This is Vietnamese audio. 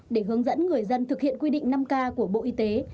để hướng dẫn người dân thực hiện quy định năm k của bộ y tế